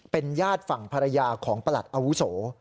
เป็นญาติฝั่งภรรยาของประหลัดอาวุโส